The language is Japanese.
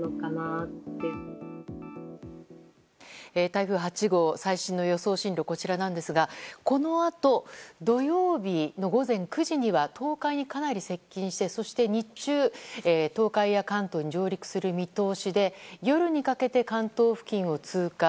台風８号、最新の予想進路こちらなんですがこのあと土曜日の午前９時には東海にかなり接近して、そして日中、東海や関東に上陸する見通しで夜にかけて関東付近を通過。